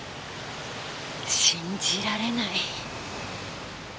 信じられない。